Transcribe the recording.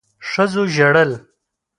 ښځو ژړل